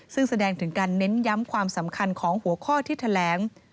ซึ่งแสดงถึงการเน้นย้ำความสำคัญของหัวข้อที่แถลง